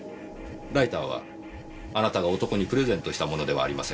ライターはあなたが男にプレゼントしたものではありませんか？